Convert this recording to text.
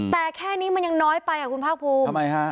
แต่แค่นี้มันยังน้อยไปอ่ะคุณภาคภูมิทำไมฮะ